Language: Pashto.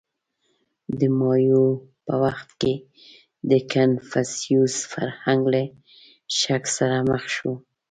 • د مایو په وخت کې د کنفوسیوس فرهنګ له شک سره مخ شو.